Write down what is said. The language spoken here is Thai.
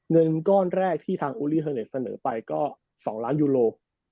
เงินก้อนแรกที่อูธอีเฮอร์เนสเสนอไปก็๒ล้านยูโร